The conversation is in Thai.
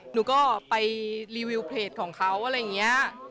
หนูก็ไปรีวิวเพจของเขาอะไรอย่างนี้